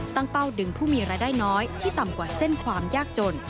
เป้าดึงผู้มีรายได้น้อยที่ต่ำกว่าเส้นความยากจน